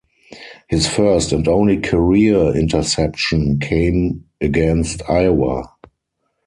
His first and only career interception came against Iowa.